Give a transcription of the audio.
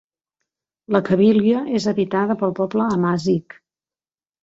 La Cabília és habitada pel poble amazic.